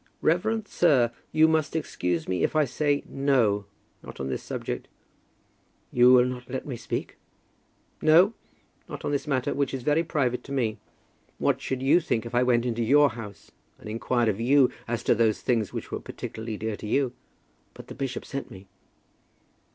"Reverend sir, you must excuse me if I say no, not on this subject." "You will not let me speak?" "No; not on this matter, which is very private to me. What should you think if I went into your house and inquired of you as to those things which were particularly near to you?" "But the bishop sent me."